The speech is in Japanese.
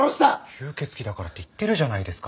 吸血鬼だからって言ってるじゃないですか。